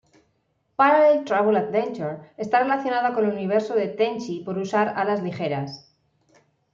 Parallel Trouble Adventure" está relacionada con "El Universo de Tenchi" por usar "Alas Ligeras".